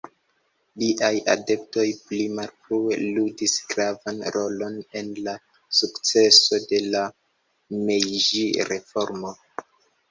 Liaj adeptoj pli malfrue ludis gravan rolon en la sukceso de la Mejĝi-reformo.